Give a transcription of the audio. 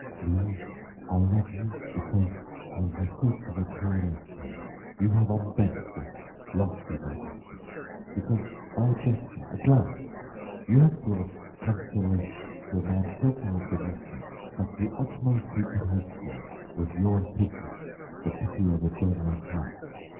Louise, I love you because, for the sake of a poor exile, you have unbent this lofty majesty, because by a gesture, a glance, you have brought consolation to a man so far beneath you that the utmost he could hope for was your pity, the pity of a generous heart.